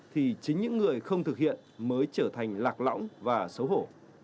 thì chính những người không thực hiện mới trở thành lạc lõng và xấu hổ